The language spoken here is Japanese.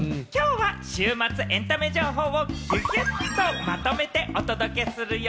きょうは週末のエンタメ情報をギュッとまとめてお伝えするよ。